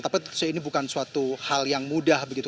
tapi ini bukan suatu hal yang mudah begitu